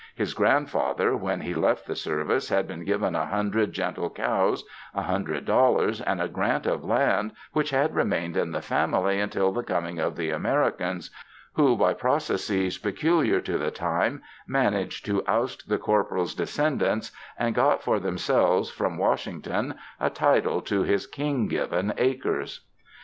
His grandfather, when he left the service, had been given a hundred gentle cows, a hundred dollars and a grant of land which had remained in the family until the coming of the Americans, who, by processes peculiar to the time, managed to oust the corporal's descendants and got for themselves from Washington a title to his King given acres.